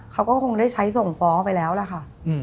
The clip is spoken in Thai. เขาก็คงได้ใช้ส่งฟ้องไปแล้วล่ะค่ะ